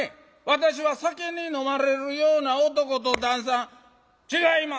私は酒に飲まれるような男と旦さん違いま」。